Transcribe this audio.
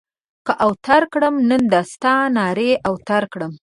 که اوتر کړم؛ نن دا ستا نارې اوتر کړم.